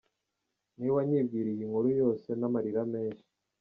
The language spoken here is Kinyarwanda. niwe wanyibwiriye iyo nkuru yose n’ amarira menshi.